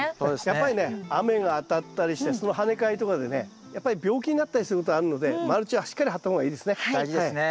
やっぱりね雨が当たったりしてその跳ね返りとかでねやっぱり病気になったりすることがあるのでマルチはしっかり張った方がいいですね。